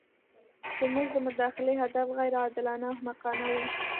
زموږ د مداخلې هدف غیر عادلانه او احمقانه وو.